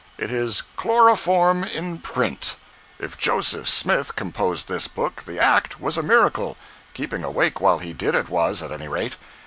It is chloroform in print. If Joseph Smith composed this book, the act was a miracle—keeping awake while he did it was, at any rate.